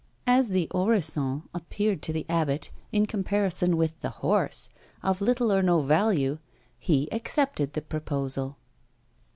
As the orisons appeared to the abbot, in comparison with the horse, of little or no value, he accepted the proposal.